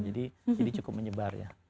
jadi cukup menyebar ya